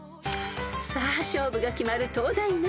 ［さあ勝負が決まる東大ナゾトレ］